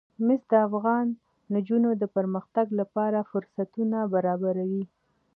مس د افغان نجونو د پرمختګ لپاره فرصتونه برابروي.